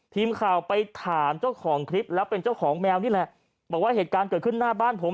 ทีมข่าวไปถามเจ้าของคลิปแล้วเป็นเจ้าของแมวนี่แหละบอกว่าเหตุการณ์เกิดขึ้นหน้าบ้านผม